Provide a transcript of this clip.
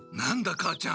母ちゃん。